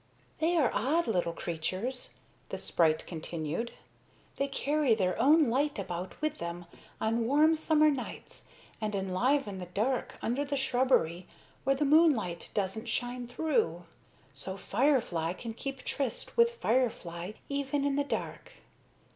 "They are odd little creatures," the sprite continued. "They carry their own light about with them on warm summer nights and enliven the dark under the shrubbery where the moonlight doesn't shine through. So firefly can keep tryst with firefly even in the dark.